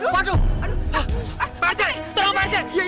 tangan saya dari belanda juga hilang